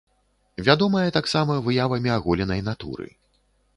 Вядомая таксама выявамі аголенай натуры.